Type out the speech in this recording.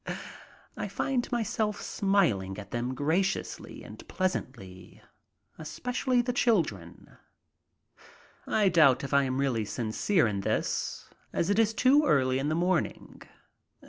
I find myself smiling at them graciously and pleasantly, especially the children. I doubt if I am really sincere in this, as it is too early in the morning.